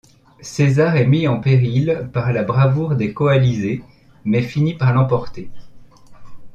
César est mis en péril par la bravoure des coalisés, mais finit par l'emporter.